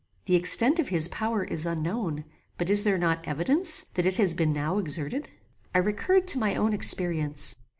The extent of his power is unknown; but is there not evidence that it has been now exerted? I recurred to my own experience.